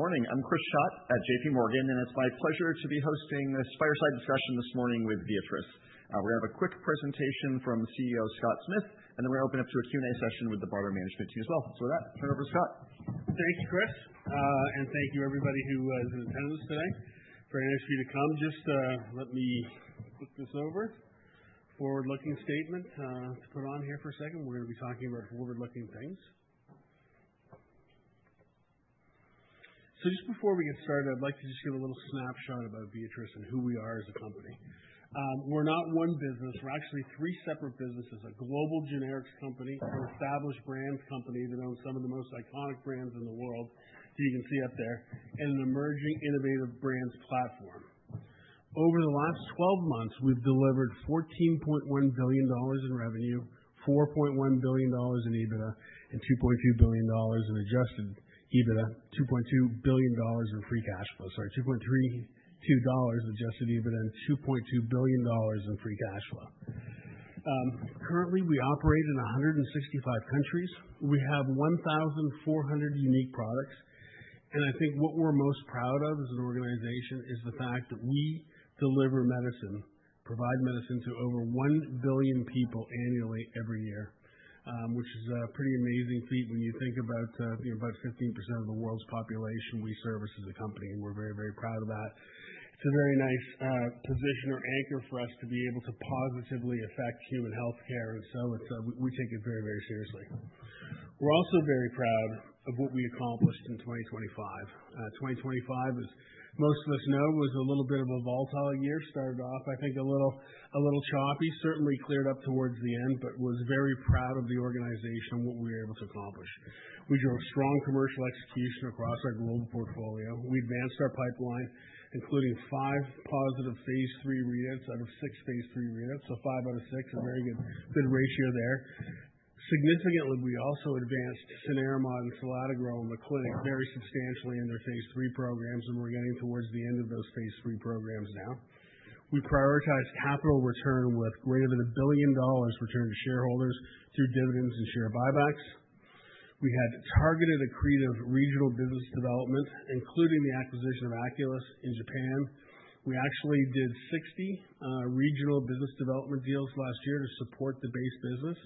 Morning. I'm Chris Schott at J.P. Morgan, and it's my pleasure to be hosting this fireside discussion this morning with Viatris. We're going to have a quick presentation from CEO Scott Smith, and then we're going to open up to a Q&A session with the broader management team as well. So with that, turn it over to Scott. Thank you, Chris, and thank you everybody who is in attendance today. Very nice for you to come. Just let me flip this over. Forward-looking statement to put on here for a second. We're going to be talking about forward-looking things. So just before we get started, I'd like to just give a little snapshot about Viatris and who we are as a company. We're not one business. We're actually three separate businesses: a global generics company, an established brands company that owns some of the most iconic brands in the world, so you can see up there, and an emerging innovative brands platform. Over the last 12 months, we've delivered $14.1 billion in revenue, $4.1 billion in EBITDA, and $2.2 billion in Adjusted EBITDA, $2.2 billion in free cash flow, sorry, $2.32 in adjusted EBITDA, and $2.2 billion in free cash flow. Currently, we operate in 165 countries. We have 1,400 unique products, and I think what we're most proud of as an organization is the fact that we deliver medicine, provide medicine to over 1 billion people annually every year, which is a pretty amazing feat when you think about 15% of the world's population we service as a company, and we're very, very proud of that. It's a very nice position or anchor for us to be able to positively affect human health care, and so we take it very, very seriously. We're also very proud of what we accomplished in 2025. 2025, as most of us know, was a little bit of a volatile year. Started off, I think, a little choppy. Certainly cleared up towards the end, but was very proud of the organization and what we were able to accomplish. We drove strong commercial execution across our global portfolio. We advanced our pipeline, including five positive Phase 3 readouts out of six Phase 3 readouts, so five out of six, a very good ratio there. Significantly, we also advanced cenerimod and selatogrel and lucerastat very substantially in their Phase 3 programs, and we're getting towards the end of those Phase 3 programs now. We prioritized capital return with greater than $1 billion return to shareholders through dividends and share buybacks. We had targeted accretive regional business development, including the acquisition of Oculys in Japan. We actually did 60 regional business development deals last year to support the base business.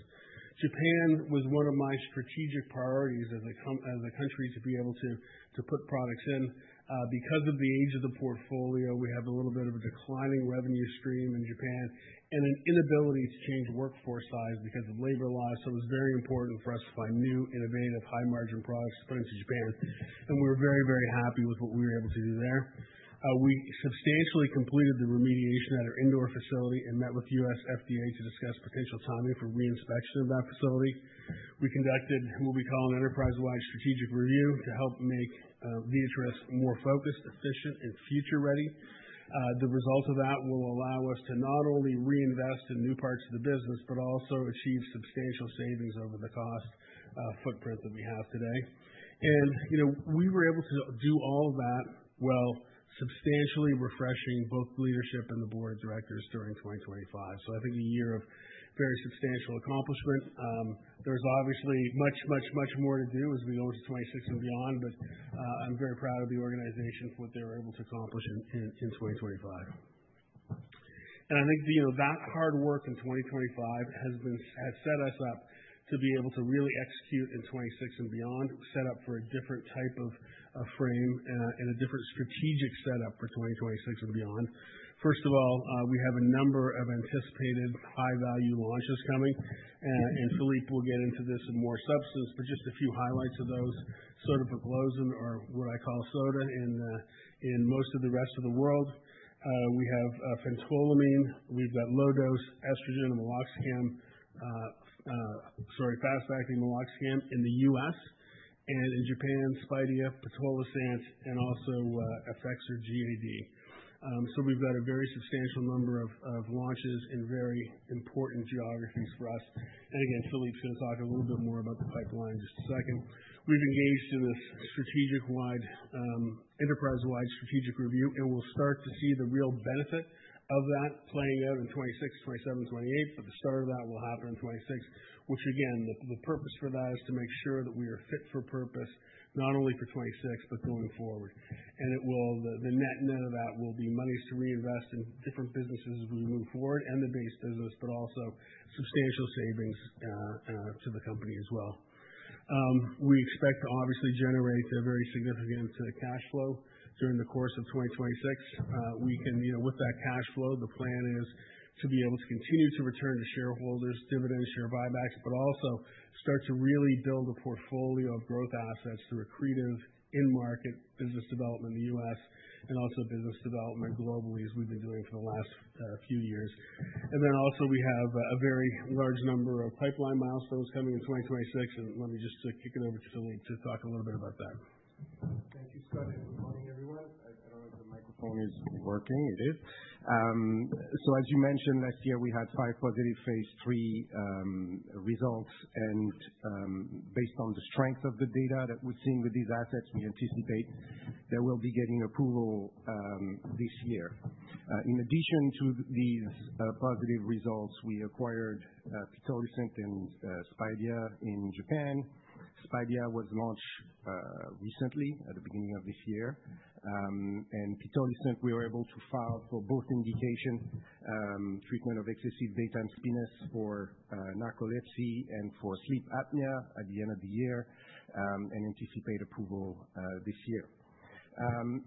Japan was one of my strategic priorities as a country to be able to put products in. Because of the age of the portfolio, we have a little bit of a declining revenue stream in Japan and an inability to change workforce size because of labor loss, so it was very important for us to find new, innovative, high-margin products to put into Japan, and we were very, very happy with what we were able to do there. We substantially completed the remediation at our Indore facility and met with U.S. FDA to discuss potential timing for reinspection of that facility. We conducted what we call an Enterprise-Wide Strategic Review to help make Viatris more focused, efficient, and future-ready. The result of that will allow us to not only reinvest in new parts of the business but also achieve substantial savings over the cost footprint that we have today. And we were able to do all of that while substantially refreshing both the leadership and the board of directors during 2025. So I think a year of very substantial accomplishment. There's obviously much, much, much more to do as we go into 2026 and beyond, but I'm very proud of the organization for what they were able to accomplish in 2025. And I think that hard work in 2025 has set us up to be able to really execute in 2026 and beyond, set up for a different type of frame and a different strategic setup for 2026 and beyond. First of all, we have a number of anticipated high-value launches coming, and Philippe will get into this in more substance, but just a few highlights of those. Sotagliflozin, or what I call soda in most of the rest of the world. We have phentolamine. We've got low-dose estrogen and meloxicam, sorry, fast-acting meloxicam, in the US, and in Japan, Spidifen, pitolisant, and also Effexor GAD. So we've got a very substantial number of launches in very important geographies for us. And again, Philippe's going to talk a little bit more about the pipeline in just a second. We've engaged in this Enterprise-Wide Strategic Review, and we'll start to see the real benefit of that playing out in 2026, 2027, 2028, but the start of that will happen in 2026, which, again, the purpose for that is to make sure that we are fit for purpose not only for 2026 but going forward. And the net of that will be monies to reinvest in different businesses as we move forward and the base business, but also substantial savings to the company as well. We expect to obviously generate a very significant cash flow during the course of 2026. With that cash flow, the plan is to be able to continue to return to shareholders dividends, share buybacks, but also start to really build a portfolio of growth assets through accretive in-market business development in the U.S. and also business development globally as we've been doing for the last few years, and then also we have a very large number of pipeline milestones coming in 2026, and let me just kick it over to Philippe to talk a little bit about that. Thank you, Scott. Good morning, everyone. I don't know if the microphone is working. It is. So as you mentioned, last year we had five positive Phase 3 results, and based on the strength of the data that we're seeing with these assets, we anticipate they will be getting approval this year. In addition to these positive results, we acquired pitolisant and Spidifen in Japan. Spidifen was launched recently at the beginning of this year, and pitolisant, we were able to file for both indication treatment of excessive daytime sleepiness for narcolepsy and for sleep apnea at the end of the year and anticipate approval this year.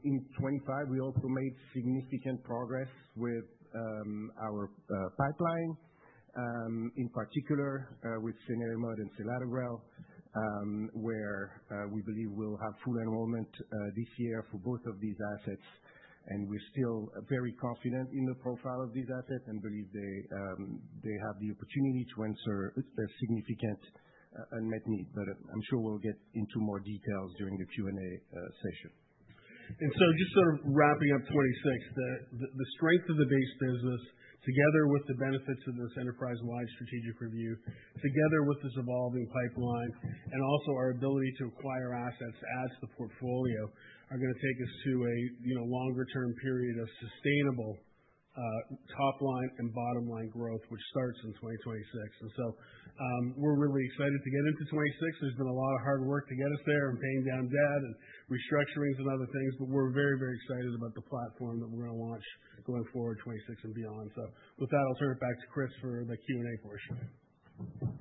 In 2025, we also made significant progress with our pipeline, in particular with cenerimod and selatogrel, where we believe we'll have full enrollment this year for both of these assets. We're still very confident in the profile of these assets and believe they have the opportunity to answer a significant unmet need, but I'm sure we'll get into more details during the Q&A session. Just sort of wrapping up 2026, the strength of the base business together with the benefits of this enterprise-wide strategic review, together with this evolving pipeline, and also our ability to acquire assets as the portfolio are going to take us to a longer-term period of sustainable top-line and bottom-line growth, which starts in 2026. We're really excited to get into 2026. There's been a lot of hard work to get us there and paying down debt and restructurings and other things, but we're very, very excited about the platform that we're going to launch going forward 2026 and beyond. With that, I'll turn it back to Chris for the Q&A portion.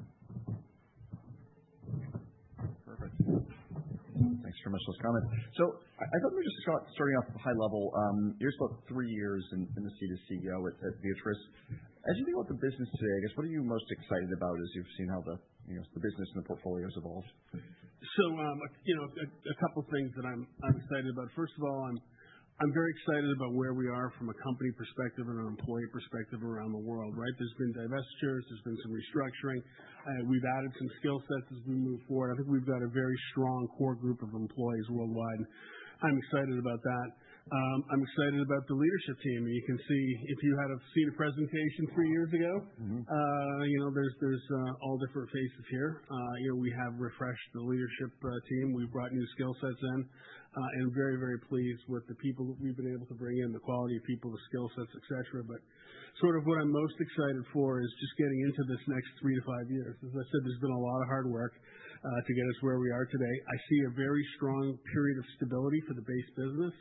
Perfect. Thanks very much for those comments. So I thought maybe just starting off at the high level, you're still three years in the seat as CEO at Viatris. As you think about the business today, I guess, what are you most excited about as you've seen how the business and the portfolio has evolved? So a couple of things that I'm excited about. First of all, I'm very excited about where we are from a company perspective and an employee perspective around the world, right? There's been divestitures. There's been some restructuring. We've added some skill sets as we move forward. I think we've got a very strong core group of employees worldwide, and I'm excited about that. I'm excited about the leadership team. And you can see, if you had seen a presentation three years ago, there's all different faces here. We have refreshed the leadership team. We've brought new skill sets in, and I'm very, very pleased with the people that we've been able to bring in, the quality of people, the skill sets, etc. But sort of what I'm most excited for is just getting into this next three to five years. As I said, there's been a lot of hard work to get us where we are today. I see a very strong period of stability for the base business.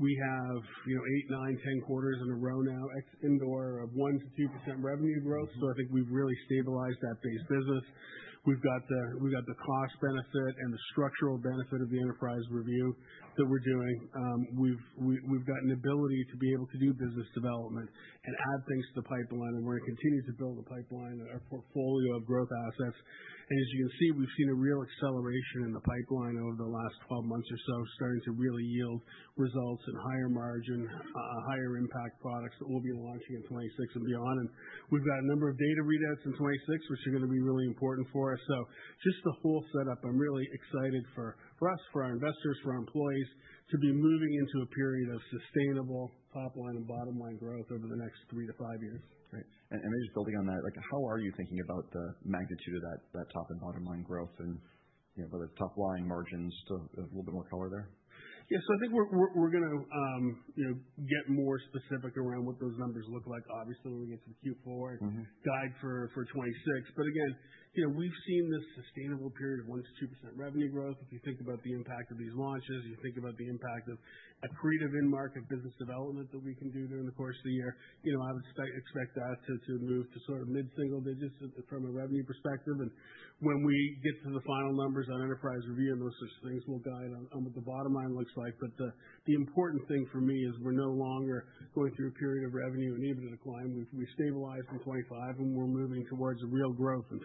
We have eight, nine, ten quarters in a row now in Indore of 1%-2% revenue growth, so I think we've really stabilized that base business. We've got the cost benefit and the structural benefit of the enterprise review that we're doing. We've got an ability to be able to do business development and add things to the pipeline, and we're going to continue to build the pipeline, our portfolio of growth assets, and as you can see, we've seen a real acceleration in the pipeline over the last 12 months or so, starting to really yield results and higher margin, higher impact products that we'll be launching in 2026 and beyond. We've got a number of data readouts in 2026, which are going to be really important for us. Just the whole setup, I'm really excited for us, for our investors, for our employees to be moving into a period of sustainable top-line and bottom-line growth over the next three to five years. Great. And maybe just building on that, how are you thinking about the magnitude of that top and bottom-line growth and whether it's top-line margins to a little bit more color there? Yeah, so I think we're going to get more specific around what those numbers look like, obviously, when we get to the Q4 guide for 2026. But again, we've seen this sustainable period of 1%-2% revenue growth. If you think about the impact of these launches, you think about the impact of accretive in-market business development that we can do during the course of the year, I would expect that to move to sort of mid-single digits from a revenue perspective. And when we get to the final numbers on enterprise review and those sorts of things, we'll guide on what the bottom line looks like. But the important thing for me is we're no longer going through a period of revenue and EBITDA decline. We've stabilized in 2025, and we're moving towards a real growth in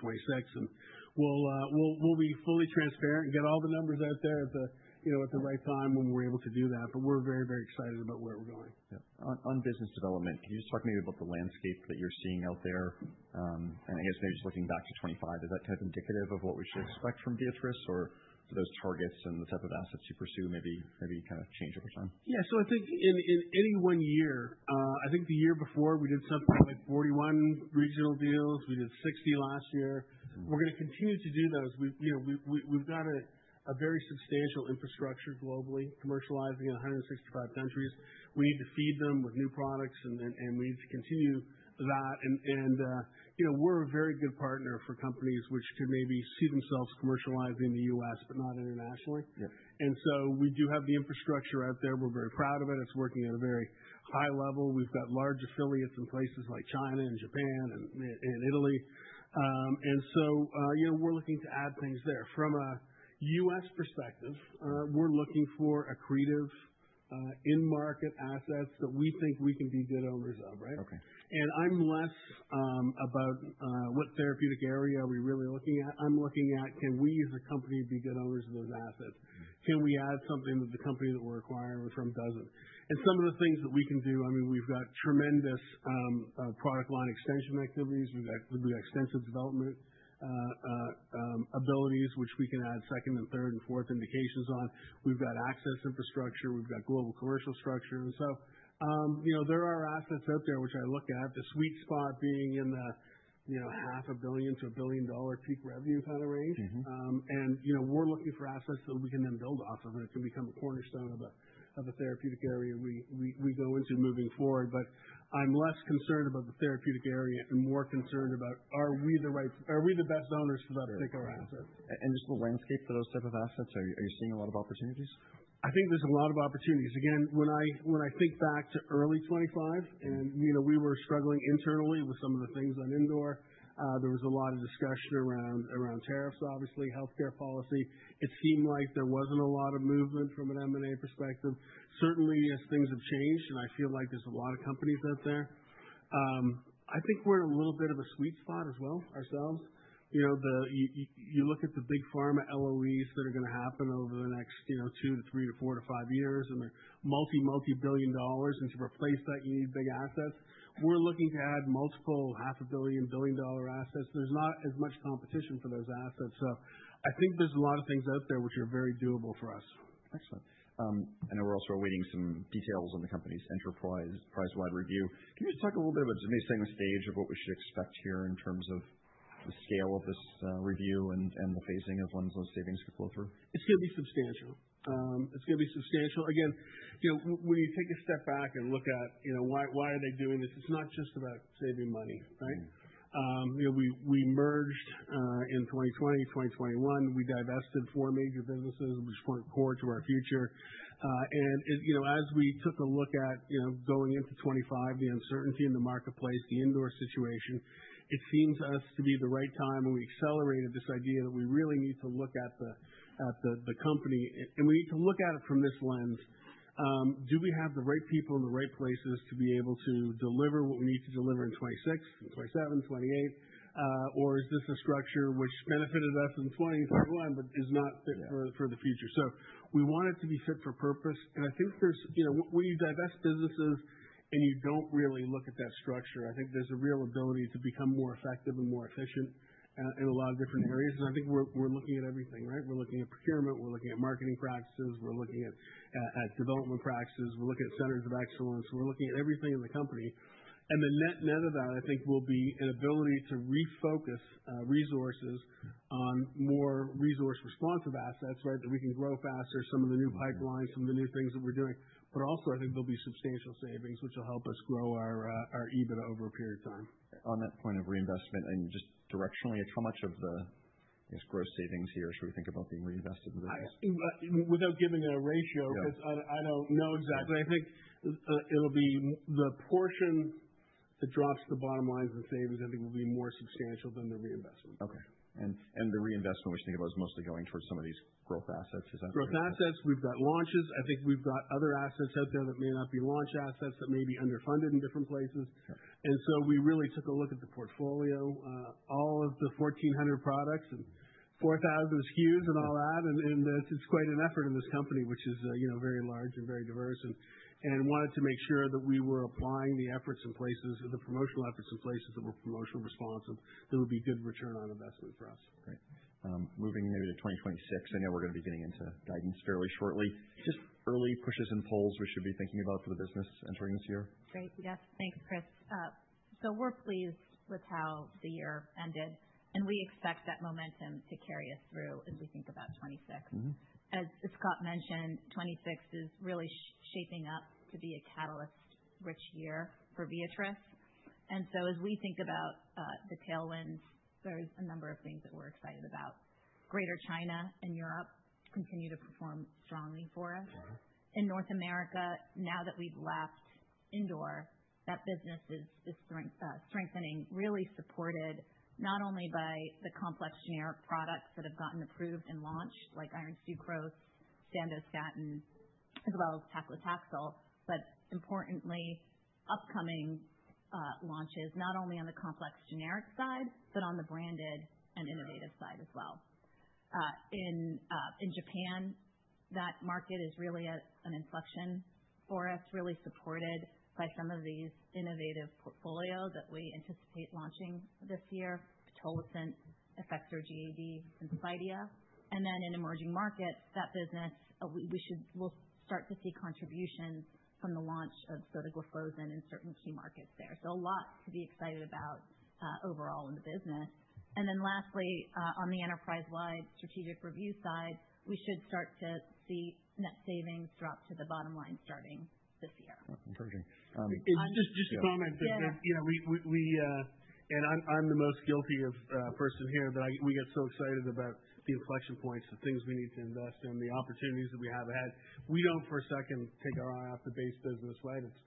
2026. We'll be fully transparent and get all the numbers out there at the right time when we're able to do that, but we're very, very excited about where we're going. Yeah. On business development, can you just talk maybe about the landscape that you're seeing out there? And I guess maybe just looking back to 2025, is that kind of indicative of what we should expect from Viatris or for those targets and the type of assets you pursue maybe kind of change over time? Yeah, so I think in any one year, I think the year before, we did something like 41 regional deals. We did 60 last year. We're going to continue to do those. We've got a very substantial infrastructure globally, commercializing in 165 countries. We need to feed them with new products, and we need to continue that. And we're a very good partner for companies which could maybe see themselves commercializing in the U.S. but not internationally. And so we do have the infrastructure out there. We're very proud of it. It's working at a very high level. We've got large affiliates in places like China and Japan and Italy. And so we're looking to add things there. From a U.S. perspective, we're looking for accretive in-market assets that we think we can be good owners of, right? And I'm less about what therapeutic area are we really looking at. I'm looking at, can we as a company be good owners of those assets? Can we add something that the company that we're acquiring from doesn't? And some of the things that we can do, I mean, we've got tremendous product line extension activities. We've got extensive development abilities, which we can add second and third and fourth indications on. We've got access infrastructure. We've got global commercial structure. And so there are assets out there which I look at, the sweet spot being in the $500 million-$1 billion peak revenue kind of range. And we're looking for assets that we can then build off of, and it can become a cornerstone of a therapeutic area we go into moving forward. But I'm less concerned about the therapeutic area and more concerned about, are we the best owners for that particular asset? Just the landscape for those type of assets, are you seeing a lot of opportunities? I think there's a lot of opportunities. Again, when I think back to early 2025, and we were struggling internally with some of the things on Indore, there was a lot of discussion around tariffs, obviously, healthcare policy. It seemed like there wasn't a lot of movement from an M&A perspective. Certainly, as things have changed, and I feel like there's a lot of companies out there, I think we're in a little bit of a sweet spot as well ourselves. You look at the big pharma LOEs that are going to happen over the next two to three to four to five years, and they're multi, multi-billion dollars. And to replace that, you need big assets. We're looking to add multiple $500 million-$1 billion assets. There's not as much competition for those assets. So I think there's a lot of things out there which are very doable for us. Excellent. I know we're also awaiting some details on the company's Enterprise-Wide Review. Can you just talk a little bit about maybe setting the stage of what we should expect here in terms of the scale of this review and the phasing of when those savings could flow through? It's going to be substantial. It's going to be substantial. Again, when you take a step back and look at why are they doing this, it's not just about saving money, right? We merged in 2020, 2021. We divested four major businesses, which were core to our future. And as we took a look at going into 2025, the uncertainty in the marketplace, the Indore situation, it seems to us to be the right time. And we accelerated this idea that we really need to look at the company, and we need to look at it from this lens. Do we have the right people in the right places to be able to deliver what we need to deliver in 2026, 2027, 2028, or is this a structure which benefited us in 2020 and 2021 but is not fit for the future? So we want it to be fit for purpose. And I think when you divest businesses and you don't really look at that structure, I think there's a real ability to become more effective and more efficient in a lot of different areas. And I think we're looking at everything, right? We're looking at procurement. We're looking at marketing practices. We're looking at development practices. We're looking at centers of excellence. We're looking at everything in the company. And the net of that, I think, will be an ability to refocus resources on more resource-responsive assets, right, that we can grow faster, some of the new pipelines, some of the new things that we're doing. But also, I think there'll be substantial savings, which will help us grow our EBITDA over a period of time. On that point of reinvestment and just directionally, how much of the, I guess, gross savings here should we think about being reinvested in the business? Without giving it a ratio, because I don't know exactly, I think it'll be the portion that drops the bottom lines and savings, I think, will be more substantial than the reinvestment. Okay. And the reinvestment we should think about is mostly going towards some of these growth assets. Is that? Growth assets. We've got launches. I think we've got other assets out there that may not be launch assets that may be underfunded in different places. And so we really took a look at the portfolio, all of the 1,400 products and 4,000 SKUs and all that. And it's quite an effort in this company, which is very large and very diverse, and wanted to make sure that we were applying the efforts in places, the promotional efforts in places that were promotional responsive, that would be good return on investment for us. Great. Moving maybe to 2026. I know we're going to be getting into guidance fairly shortly. Just early pushes and pulls we should be thinking about for the business entering this year? Great. Yes. Thanks, Chris. We're pleased with how the year ended, and we expect that momentum to carry us through as we think about 2026. As Scott mentioned, 2026 is really shaping up to be a catalyst-rich year for Viatris. So as we think about the tailwinds, there's a number of things that we're excited about. Greater China and Europe continue to perform strongly for us. In North America, now that we've left Indore, that business is strengthening, really supported not only by the complex generic products that have gotten approved and launched, like iron sucrose, Sandostatin, as well as paclitaxel, but importantly, upcoming launches, not only on the complex generic side, but on the branded and innovative side as well. In Japan, that market is really at an inflection for us, really supported by some of these innovative portfolio that we anticipate launching this year: pitolisant, Effexor GAD, Spidifen, and then in emerging markets, that business, we'll start to see contributions from the launch of Sotagliflozin in certain key markets there, so a lot to be excited about overall in the business, and then lastly, on the enterprise-wide strategic review side, we should start to see net savings drop to the bottom line starting this year. Encouraging. Just a comment that we, and I'm the most guilty person here, but we get so excited about the inflection points, the things we need to invest in, the opportunities that we have ahead. We don't, for a second, take our eye off the base business, right? It's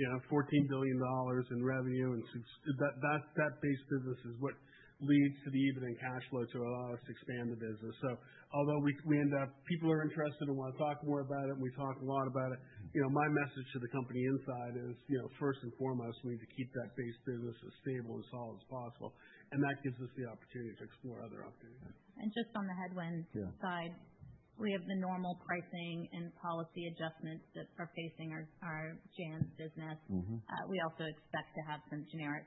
$14 billion in revenue, and that base business is what leads to the EBITDA and cash flow to allow us to expand the business. So although we end up, people are interested and want to talk more about it, and we talk a lot about it, my message to the company inside is, first and foremost, we need to keep that base business as stable and solid as possible. And that gives us the opportunity to explore other opportunities. And just on the headwinds side, we have the normal pricing and policy adjustments that are facing our JANZ business. We also expect to have some generic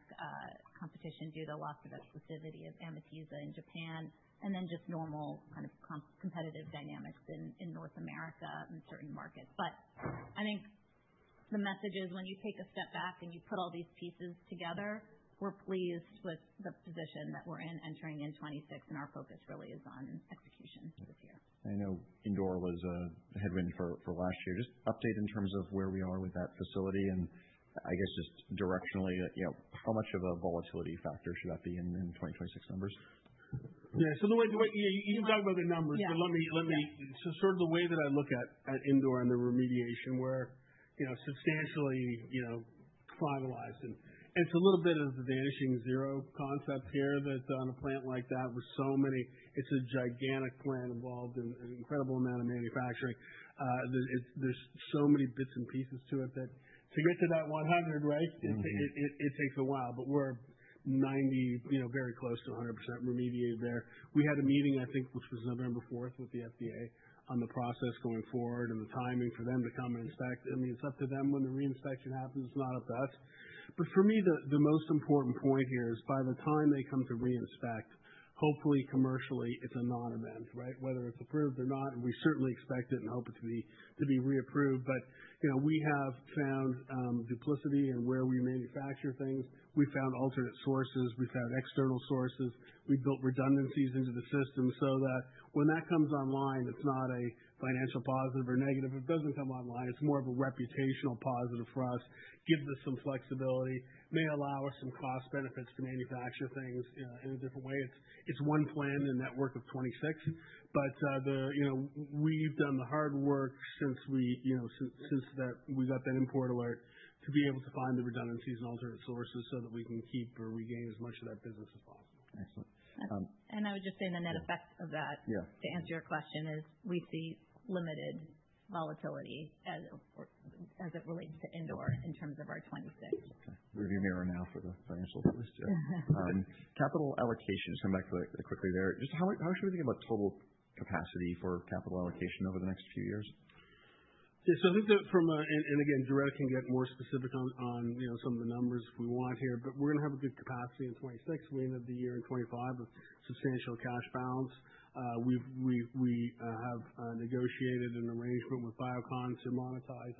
competition due to the loss of exclusivity of Amitiza in Japan, and then just normal kind of competitive dynamics in North America and certain markets. But I think the message is, when you take a step back and you put all these pieces together, we're pleased with the position that we're in entering in 2026, and our focus really is on execution this year. I know Indore was a headwind for last year. Just update in terms of where we are with that facility. And I guess just directionally, how much of a volatility factor should that be in 2026 numbers? Yeah. So the way you can talk about the numbers, but let me, so sort of the way that I look at Indore and the remediation where substantially finalized. And it's a little bit of the vanishing zero concept here that on a plant like that, with so many, it's a gigantic plant involved in an incredible amount of manufacturing. There's so many bits and pieces to it that to get to that 100, right, it takes a while. But we're 90%, very close to 100% remediated there. We had a meeting, I think, which was November 4th with the FDA on the process going forward and the timing for them to come and inspect. I mean, it's up to them when the reinspection happens. It's not up to us. But for me, the most important point here is by the time they come to reinspect, hopefully commercially, it's a non-event, right? Whether it's approved or not, and we certainly expect it and hope it to be reapproved. But we have found duplication in where we manufacture things. We found alternate sources. We found external sources. We built redundancies into the system so that when that comes online, it's not a financial positive or negative. It doesn't come online. It's more of a reputational positive for us, gives us some flexibility, may allow us some cost benefits to manufacture things in a different way. It's one plant in a network of 26. But we've done the hard work since we got that Import Alert to be able to find the redundancies and alternate sources so that we can keep or regain as much of that business as possible. Excellent. And I would just say the net effect of that, to answer your question, is we see limited volatility as it relates to Indore in terms of our 26. Okay. We have your mic now for the financial policies, Jeff, and capital allocations, coming back to that quickly there. Just how should we think about total capacity for capital allocation over the next few years? Yeah. So I think that from, and again, Jared can get more specific on some of the numbers if we want here, but we're going to have a good capacity in 2026. We ended the year in 2025 with substantial cash balance. We have negotiated an arrangement with Biocon to monetize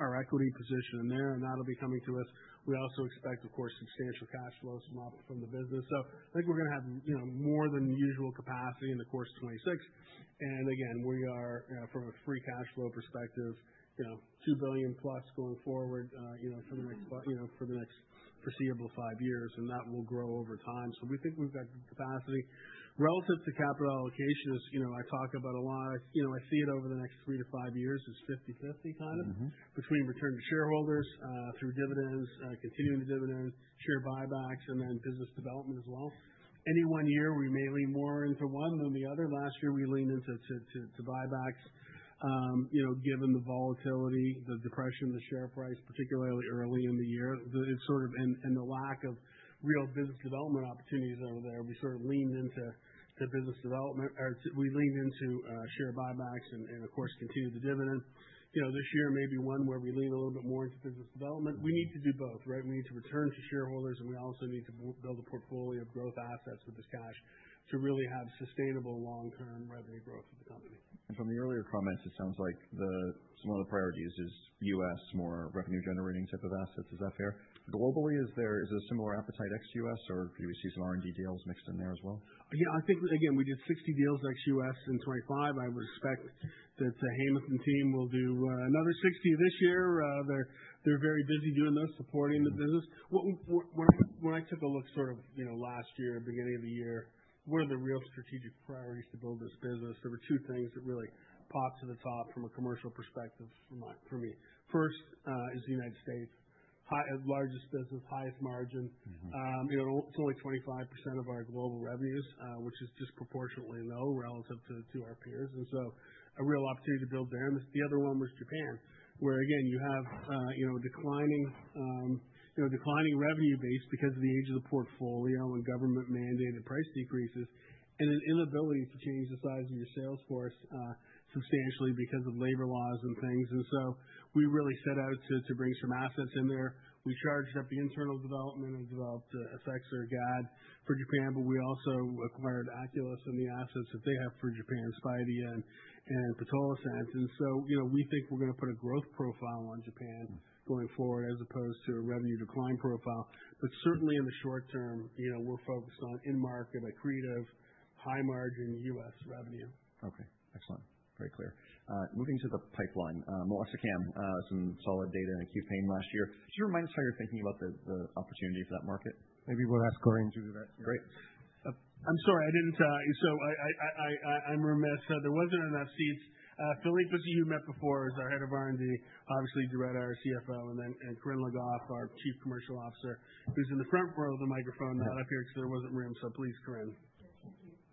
our equity position in there, and that'll be coming to us. We also expect, of course, substantial cash flows from the business. So I think we're going to have more than usual capacity in the course of 2026. And again, we are, from a free cash flow perspective, $2 billion plus going forward for the next foreseeable five years, and that will grow over time. So we think we've got good capacity. Relative to capital allocation, as I talk about a lot, I see it over the next three to five years as 50/50 kind of between return to shareholders through dividends, continuing to dividends, share buybacks, and then business development as well. Any one year, we may lean more into one than the other. Last year, we leaned into buybacks. Given the volatility, the depression in the share price, particularly early in the year, it's sort of, and the lack of real business development opportunities over there, we sort of leaned into business development, or we leaned into share buybacks and, of course, continued the dividend. This year may be one where we lean a little bit more into business development. We need to do both, right? We need to return to shareholders, and we also need to build a portfolio of growth assets with this cash to really have sustainable long-term revenue growth for the company. From the earlier comments, it sounds like some of the priorities is U.S., more revenue-generating type of assets. Is that fair? Globally, is there a similar appetite ex U.S., or do we see some R&D deals mixed in there as well? Yeah. I think, again, we did 60 deals ex-U.S. in 2025. I would expect that the Hamilton team will do another 60 this year. They're very busy doing those, supporting the business. When I took a look sort of last year, beginning of the year, what are the real strategic priorities to build this business? There were two things that really popped to the top from a commercial perspective for me. First is the United States, largest business, highest margin. It's only 25% of our global revenues, which is disproportionately low relative to our peers, and so a real opportunity to build there, and the other one was Japan, where, again, you have a declining revenue base because of the age of the portfolio and government-mandated price decreases and an inability to change the size of your sales force substantially because of labor laws and things. And so we really set out to bring some assets in there. We charged up the internal development and developed Effexor GAD for Japan, but we also acquired Oculus and the assets that they have for Japan, Spidifen, and pitolisant. And so we think we're going to put a growth profile on Japan going forward as opposed to a revenue decline profile. But certainly, in the short term, we're focused on in-market, accretive, high-margin U.S. revenue. Okay. Excellent. Very clear. Moving to the pipeline, Melissa Camp, some solid data in a key pain last year. Just remind us how you're thinking about the opportunity for that market. Maybe we'll ask Corinne to do that. Great. I'm sorry, I didn't—so I'm remiss. There wasn't enough seats. Philippe, who you met before, who's our Head of R&D, obviously Jared, our CFO, and then Corinne Le Goff, our Chief Commercial Officer, who's in the front row off the microphone not up here because there wasn't room. So please, Corinne.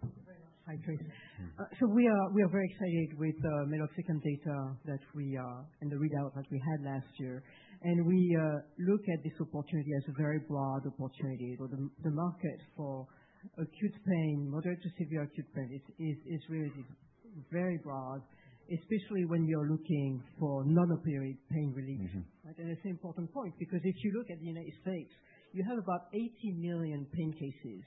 Thank you. Thank you very much. Hi, Chris. So we are very excited with the meloxicam data that we and the readout that we had last year. And we look at this opportunity as a very broad opportunity. The market for acute pain, moderate to severe acute pain, is really very broad, especially when you're looking for non-opioid pain relief. And it's an important point because if you look at the United States, you have about 80 million pain cases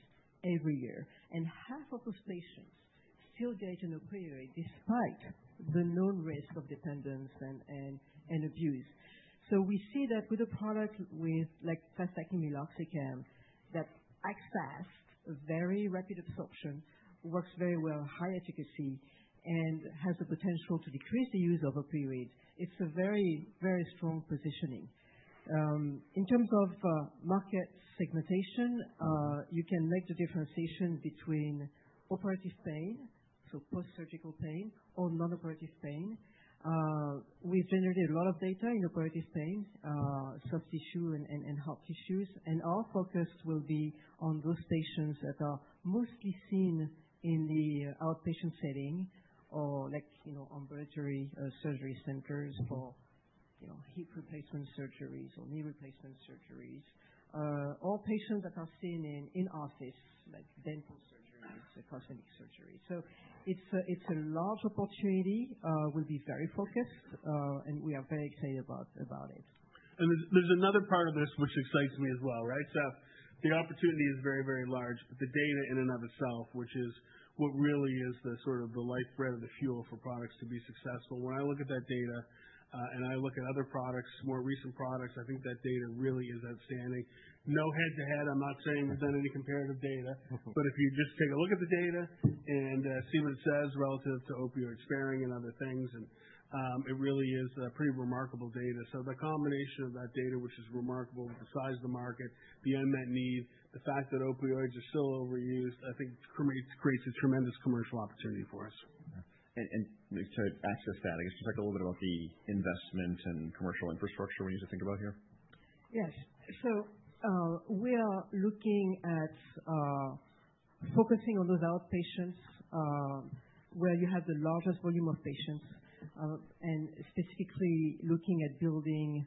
every year, and half of those patients still get an opioid despite the known risk of dependence and abuse. So we see that with a product like Fast-Acting meloxicam that acts fast, very rapid absorption, works very well, high efficacy, and has the potential to decrease the use of opioids. It's a very, very strong positioning. In terms of market segmentation, you can make the differentiation between operative pain, so post-surgical pain, or non-operative pain. We've generated a lot of data in operative pain, soft tissue, and hard tissues, and our focus will be on those patients that are mostly seen in the outpatient setting or ambulatory surgery centers for hip replacement surgeries or knee replacement surgeries, or patients that are seen in office, like dental surgeries, cosmetic surgeries, so it's a large opportunity. We'll be very focused, and we are very excited about it. There's another part of this which excites me as well, right? The opportunity is very, very large, but the data in and of itself, which is what really is the sort of lifeblood, the fuel for products to be successful. When I look at that data and I look at other products, more recent products, I think that data really is outstanding. No head-to-head. I'm not saying we've done any comparative data, but if you just take a look at the data and see what it says relative to opioid sparing and other things, it really is pretty remarkable data. The combination of that data, which is remarkable, with the size of the market, the unmet need, the fact that opioids are still overused, I think creates a tremendous commercial opportunity for us. To access that, I guess, just talk a little bit about the investment and commercial infrastructure we need to think about here. Yes. So we are looking at focusing on those outpatients where you have the largest volume of patients and specifically looking at building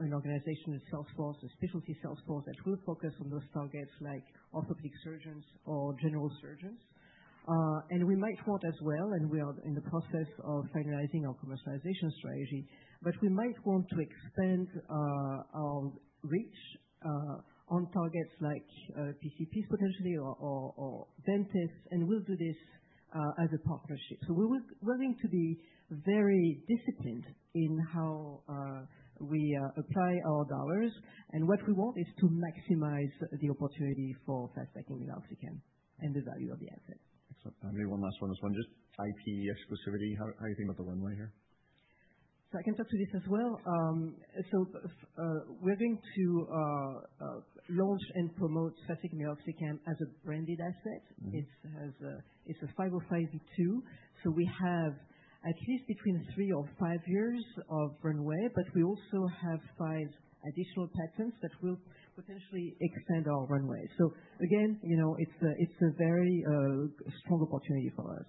an organizational sales force, a specialty sales force that will focus on those targets like orthopedic surgeons or general surgeons. And we might want as well, and we are in the process of finalizing our commercialization strategy, but we might want to expand our reach on targets like PCPs potentially or dentists. And we'll do this as a partnership. So we're going to be very disciplined in how we apply our dollars. And what we want is to maximize the opportunity for Fast-Acting meloxicam and the value of the asset. Excellent. Maybe one last one on this one. Just IP exclusivity. How do you think about the runway here? I can talk to this as well. We're going to launch and promote Fast-Acting meloxicam as a branded asset. It's a 505(b)(2). We have at least between three or five years of runway, but we also have five additional patents that will potentially extend our runway. Again, it's a very strong opportunity for us.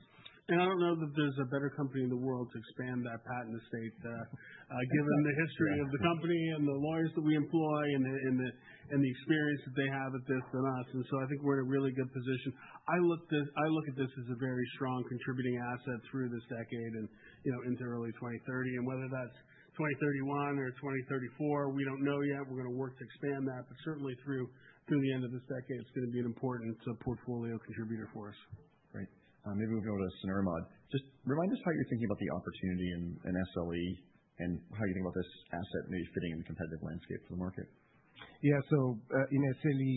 And I don't know that there's a better company in the world to expand that patent estate given the history of the company and the lawyers that we employ and the experience that they have at this than us. And so I think we're in a really good position. I look at this as a very strong contributing asset through this decade and into early 2030. And whether that's 2031 or 2034, we don't know yet. We're going to work to expand that. But certainly, through the end of this decade, it's going to be an important portfolio contributor for us. Great. Maybe we can go to cenerimod. Just remind us how you're thinking about the opportunity in SLE and how you think about this asset maybe fitting in the competitive landscape for the market? Yeah. So in SLE,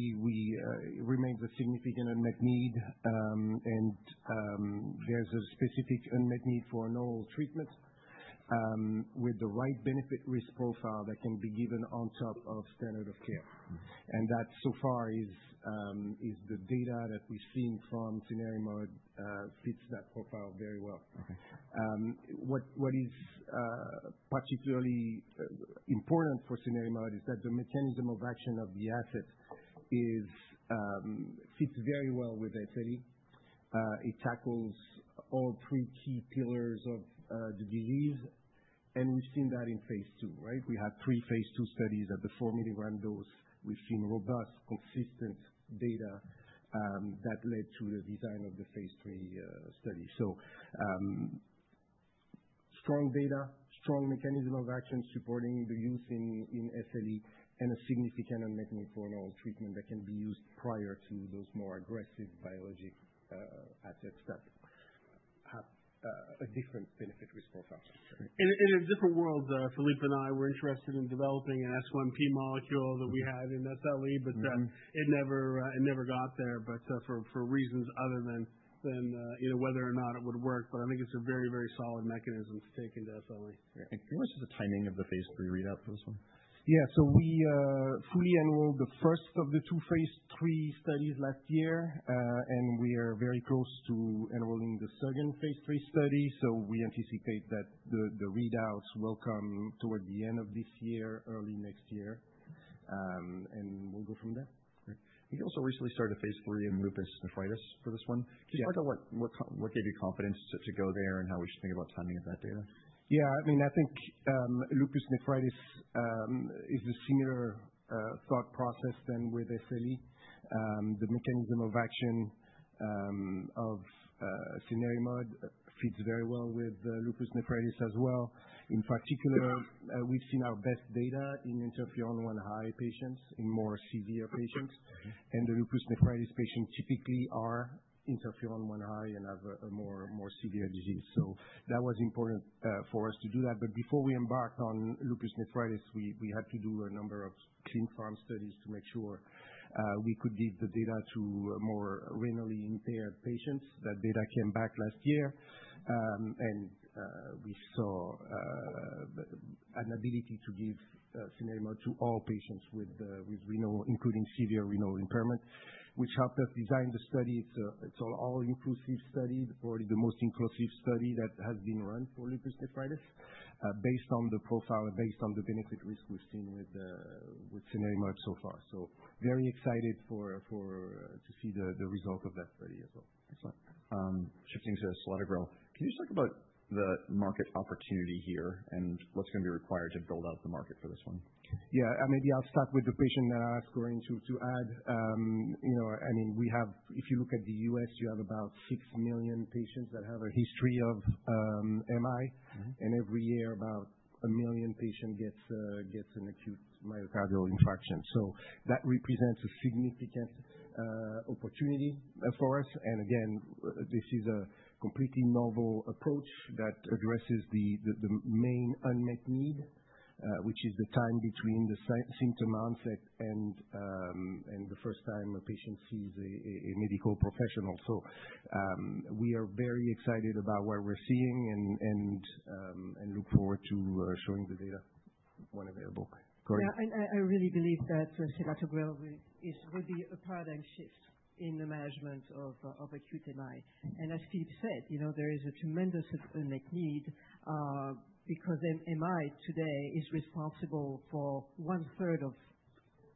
it remains a significant unmet need, and there's a specific unmet need for an oral treatment with the right benefit risk profile that can be given on top of standard of care. And that so far is the data that we've seen from cenerimod fits that profile very well. What is particularly important for cenerimod is that the mechanism of action of the asset fits very well with SLE. It tackles all three key pillars of the disease. And we've seen that in phase two, right? We had three phase two studies at the four milligram dose. We've seen robust, consistent data that led to the design of the phase three study. So strong data, strong mechanism of action supporting the use in SLE, and a significant unmet need for an oral treatment that can be used prior to those more aggressive biologic assets that have a different benefit risk profile. In a different world, Philippe and I were interested in developing an S1P molecule that we had in SLE, but it never got there for reasons other than whether or not it would work. But I think it's a very, very solid mechanism to take into SLE. Great, and pretty much just the timing of the phase 3 readout for this one. Yeah. So we fully enrolled the first of the two phase 3 studies last year, and we are very close to enrolling the second phase 3 study. So we anticipate that the readouts will come toward the end of this year, early next year, and we'll go from there. Great. We also recently started phase three in lupus nephritis for this one. Just talk about what gave you confidence to go there and how we should think about timing of that data. Yeah. I mean, I think lupus nephritis is a similar thought process than with SLE. The mechanism of action of cenerimod fits very well with lupus nephritis as well. In particular, we've seen our best data in interferon-1 high patients in more severe patients, and the lupus nephritis patients typically are interferon-1 high and have a more severe disease, so that was important for us to do that, but before we embarked on lupus nephritis, we had to do a number of clinical pharm studies to make sure we could give the data to more renally impaired patients. That data came back last year, and we saw an ability to give cenerimod to all patients with renal impairment, including severe renal impairment, which helped us design the study. It's an all-inclusive study, probably the most inclusive study that has been run for lupus nephritis based on the profile and based on the benefit risk we've seen with cenerimod so far. So very excited to see the result of that study as well. Excellent. Shifting to selatogrel, can you just talk about the market opportunity here and what's going to be required to build out the market for this one? Yeah. Maybe I'll start with the patient that I asked Corinne to add. I mean, if you look at the U.S., you have about six million patients that have a history of MI, and every year, about a million patients get an acute myocardial infarction. So that represents a significant opportunity for us. And again, this is a completely novel approach that addresses the main unmet need, which is the time between the symptom onset and the first time a patient sees a medical professional. So we are very excited about what we're seeing and look forward to showing the data when available. Corinne? Yeah. I really believe that selatogrel will be a paradigm shift in the management of acute MI. And as Philippe said, there is a tremendous unmet need because MI today is responsible for one-third of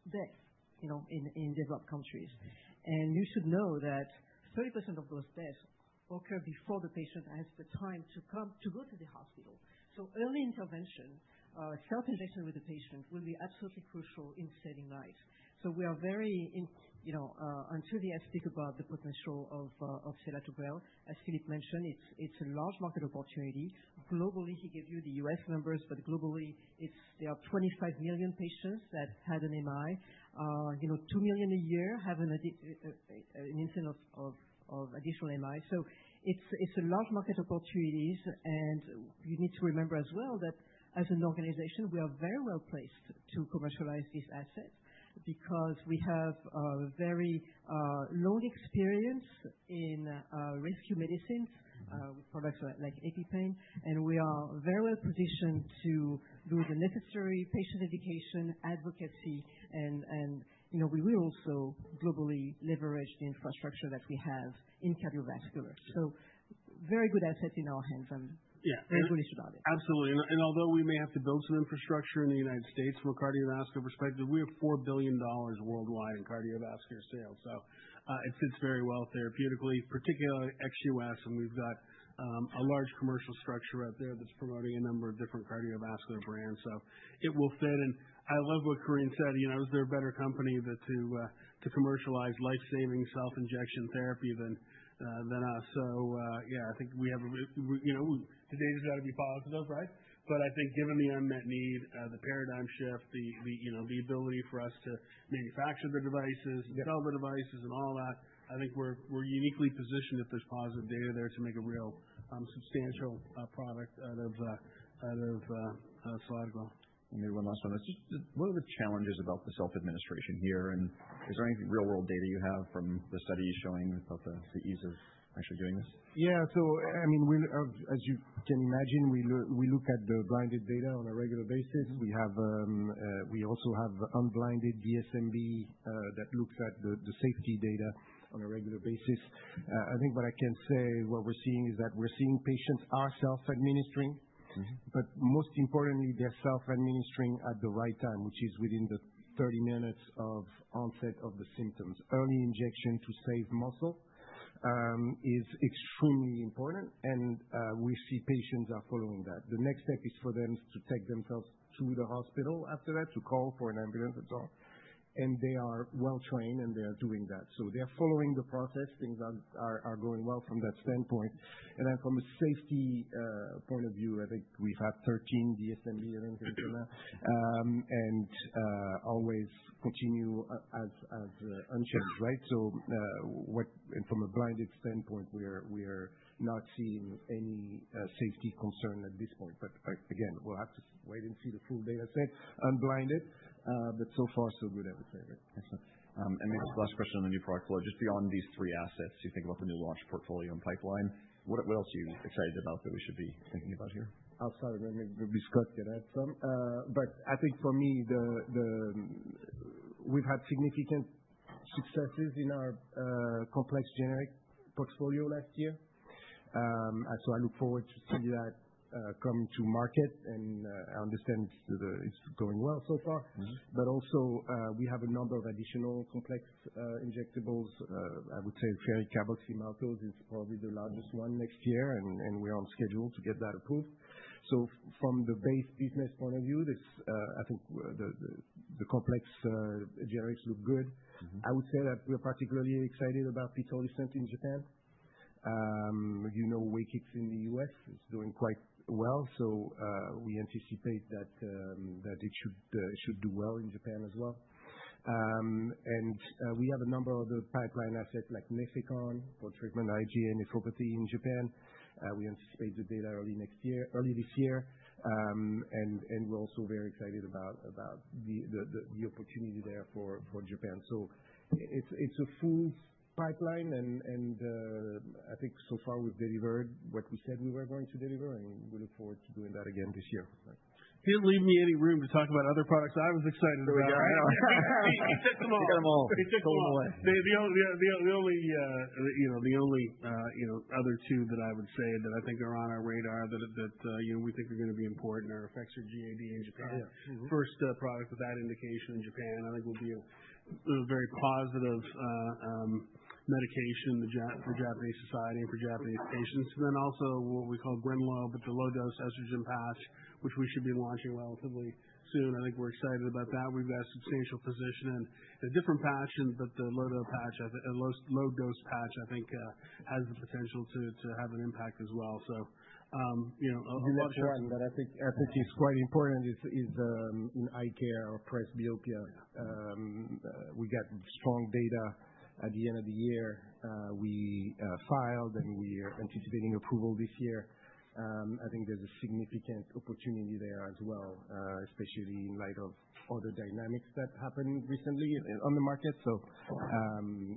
deaths in developed countries. And you should know that 30% of those deaths occur before the patient has the time to go to the hospital. So early intervention, self-injection with the patient, will be absolutely crucial in saving lives. So we are very enthusiastic about the potential of selatogrel. As Philippe mentioned, it's a large market opportunity. Globally, he gave you the U.S. numbers, but globally, there are 25 million patients that had an MI. 2 million a year have an incidence of additional MI. So it's a large market opportunity. We need to remember as well that as an organization, we are very well placed to commercialize this asset because we have a very long experience in rescue medicines with products like EpiPen, and we are very well positioned to do the necessary patient education, advocacy, and we will also globally leverage the infrastructure that we have in cardiovascular. Very good asset in our hands. I'm very bullish about it. Absolutely. And although we may have to build some infrastructure in the United States from a cardiovascular perspective, we have $4 billion worldwide in cardiovascular sales. So it fits very well therapeutically, particularly ex-U.S. And we've got a large commercial structure out there that's promoting a number of different cardiovascular brands. So it will fit. And I love what Corinne said. Is there a better company to commercialize life-saving self-injection therapy than us? So yeah, I think we have the data's got to be positive, right? But I think given the unmet need, the paradigm shift, the ability for us to manufacture the devices, sell the devices, and all that, I think we're uniquely positioned if there's positive data there to make a real substantial product out of selatogrel. Maybe one last one. Just what are the challenges about the self-administration here? And is there any real-world data you have from the studies showing about the ease of actually doing this? Yeah. So I mean, as you can imagine, we look at the blinded data on a regular basis. We also have unblinded DSMB that looks at the safety data on a regular basis. I think what I can say, what we're seeing is that we're seeing patients are self-administering, but most importantly, they're self-administering at the right time, which is within the 30 minutes of onset of the symptoms. Early injection to save muscle is extremely important, and we see patients are following that. The next step is for them to take themselves to the hospital after that, to call for an ambulance and so on. And they are well trained, and they are doing that. So they are following the process. Things are going well from that standpoint. And then from a safety point of view, I think we've had 13 DSMB events until now and always continue as unchanged, right? And from a blinded standpoint, we are not seeing any safety concern at this point. But again, we'll have to wait and see the full data set, unblinded. But so far, so good, I would say. Excellent. And maybe just the last question on the new product flow. Just beyond these three assets, you think about the new launch portfolio and pipeline. What else are you excited about that we should be thinking about here? Outside of what we've discussed, you had some, but I think for me, we've had significant successes in our complex generics portfolio last year, so I look forward to seeing that come to market, and I understand it's going well so far, but also, we have a number of additional complex injectables. I would say ferric carboxymaltose is probably the largest one next year, and we're on schedule to get that approved, so from the base business point of view, I think the complex generics look good. I would say that we're particularly excited about pitolisant in Japan. You know, Wakix in the U.S. is doing quite well, so we anticipate that it should do well in Japan as well, and we have a number of other pipeline assets like Nefecon for treatment of IgA nephropathy in Japan. We anticipate the data early this year. We're also very excited about the opportunity there for Japan. It's a full pipeline, and I think so far we've delivered what we said we were going to deliver, and we look forward to doing that again this year. He didn't leave me any room to talk about other products. I was excited about. No, I know. He took them all. He took them all. He took them all. The only other two that I would say that I think are on our radar that we think are going to be important are Effexor GAD in Japan. First product of that indication in Japan, I think, will be a very positive medication for Japanese society and for Japanese patients. And then also what we call Gwenlow, but the low-dose estrogen patch, which we should be launching relatively soon. I think we're excited about that. We've got substantial position in a different patch, but the low-dose patch, I think, has the potential to have an impact as well. So a large patch. The last one that I think is quite important is in eye care or presbyopia. We got strong data at the end of the year. We filed, and we are anticipating approval this year. I think there's a significant opportunity there as well, especially in light of all the dynamics that happened recently on the market. So.